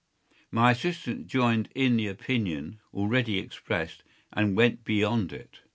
My assistant joined in the opinion already expressed, and went beyond it.